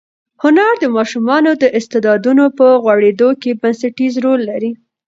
هنر د ماشومانو د استعدادونو په غوړېدو کې بنسټیز رول لري.